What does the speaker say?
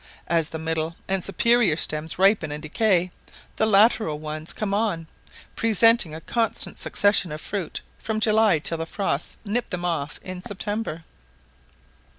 As the middle and superior stems ripen and decay, the lateral ones come on, presenting a constant succession of fruit from July till the frosts nip them off in September.